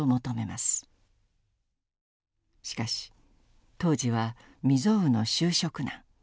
しかし当時は未曽有の就職難。